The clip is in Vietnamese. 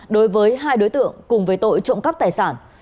đối với hai đối tượng cùng với tội trộm cắp tài sản